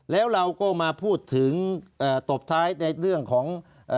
แล้วเราก็มาพูดถึงตบท้ายในเรื่องของ